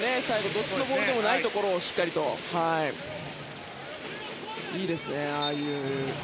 どっちのボールでもないところしっかりと、いいですね。